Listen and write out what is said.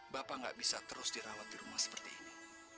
bapak gak bisa terus dirawat di rumah seperti ini